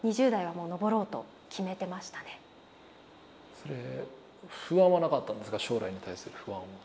それ不安はなかったんですか将来に対する不安は。